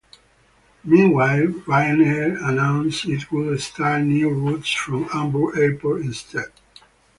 Meanwhile, Ryanair announced it would start new routes from Hamburg Airport instead.